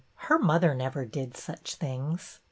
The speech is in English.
Her mother never did such things.